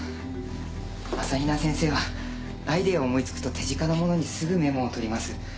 朝比奈先生はアイデアを思いつくと手近なものにすぐメモを取ります。